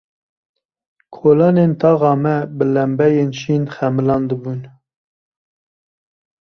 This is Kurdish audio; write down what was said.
Kolanên taxa me bi lembeyên şîn xemilandibûn.